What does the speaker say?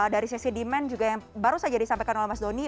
dari sisi demand juga yang baru saja disampaikan oleh mas doni